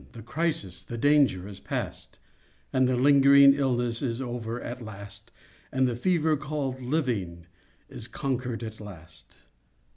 the crisis— The danger is past, And the lingering illness Is over at last— And the fever called "Living" Is conquered at last.